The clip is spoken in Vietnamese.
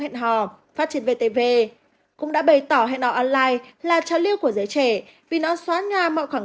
hẹn hò phát triển vtv cũng đã bày tỏ hẹn hò online là trao lưu của giới trẻ vì nó xóa nga mọi khoảng